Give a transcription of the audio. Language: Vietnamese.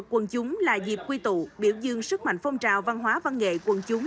quân chúng là dịp quy tụ biểu dương sức mạnh phong trào văn hóa văn nghệ quần chúng